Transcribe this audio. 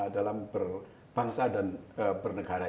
dalam berbangsa dan bernegara